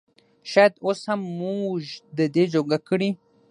شايد اوس هم مونږ د دې جوګه کړي